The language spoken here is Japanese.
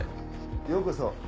ようこそ。